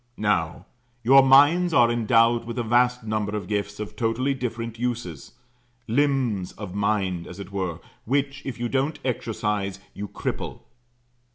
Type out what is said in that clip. Now, your minds are endowed with a vast number of gifts of totally different uses limbs of mind as it were, which, if you don't exercise, you cripple.